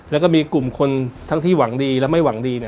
แล้วก็มีกลุ่มคนทั้งที่หวังดีและไม่หวังดี